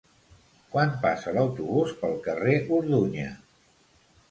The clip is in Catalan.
Quan passa l'autobús pel carrer Orduña?